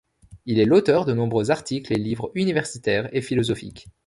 Il est l'auteur de nombreux articles et livres universitaires et philosophiques.